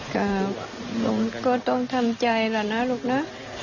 ก็ต้องทำใจละนะลูกนะ